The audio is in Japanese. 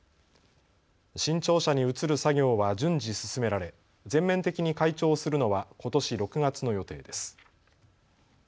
新庁舎に移る作業は順次、進められ全面的に開庁するのはことし６月の予定です。